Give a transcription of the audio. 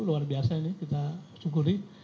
luar biasa ini kita syukuri